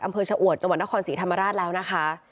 อำเภอชะอวดจังหวัดนครศรีธรรมราชแล้วนะคะ